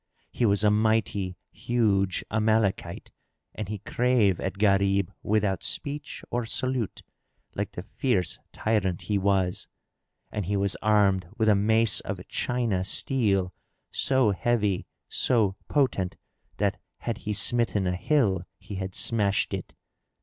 He was a mighty huge[FN#10] Amalekite; and he drave at Gharib without speech or salute, like the fierce tyrant he was. And he was armed with a mace of China steel, so heavy, so potent, that had he smitten a hill he had smashed it.